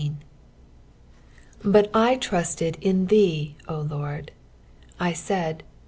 14 But I trusted in thee, O Lord : I said.